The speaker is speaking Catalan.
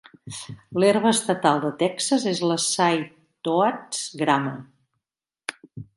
L'herba estatal de Texas és la sideoats grama.